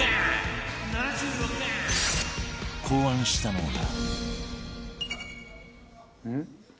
考案したのが